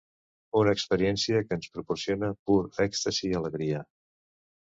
Una experiència que ens proporciona pur èxtasi i alegria.